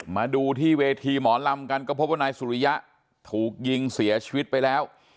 มาดูที่เวทีหมอลำกันก็พบว่านายสุริยะถูกยิงเสียชีวิตไปแล้ว